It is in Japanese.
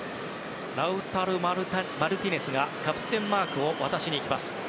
ラウタロ・マルティネスがキャプテンマークを渡しにいきます。